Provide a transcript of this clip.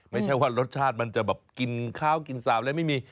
ไม่ใช่ว่ารสชาติมันจะแบบกินข้าวกินสาบอะไรไม่มี